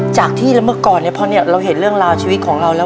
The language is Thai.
จากที่แล้วเมื่อก่อนเรามีเรื่องราวชีวิตเราแล้ว